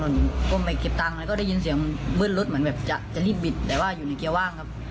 ก็ปล่อยไปเก็บตังก็ได้ยินเสียงเบื่อดรถมันจะหลีดบิดอยู่ในเกลียวว่างครับ